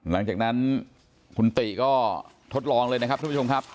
หลังจากนั้นคุณติก็ทดลองเลยนะครับทุกผู้ชมครับ